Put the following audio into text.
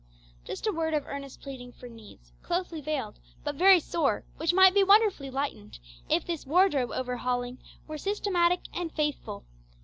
Just a word of earnest pleading for needs, closely veiled, but very sore, which might be wonderfully lightened if this wardrobe over hauling were systematic and faithful.